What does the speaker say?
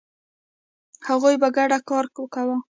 هغوی په ګډه کار کاوه.